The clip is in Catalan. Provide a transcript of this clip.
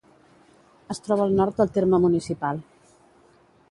Es troba al nord del terme municipal.